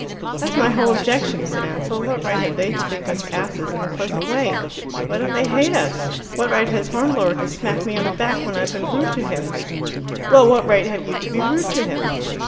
"That's my whole objection," said Ansell. "What right have they to think us asses in a pleasant way? Why don't they hate us? What right has Hornblower to smack me on the back when I've been rude to him?" "Well, what right have you to be rude to him?"